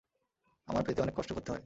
আমার পেতে অনেক কষ্ট করতে হয়।